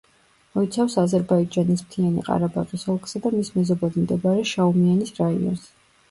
მოიცავს აზერბაიჯანის მთიანი ყარაბაღის ოლქსა და მის მეზობლად მდებარე შაუმიანის რაიონს.